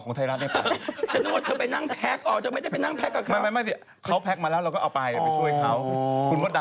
คุณสดดำก็ต้องไปนะ